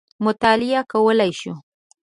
مطالعه کولای شو.